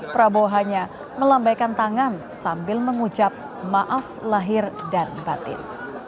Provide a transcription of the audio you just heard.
prabowo hanya melambaikan tangan sambil mengucap maaf lahir dan batin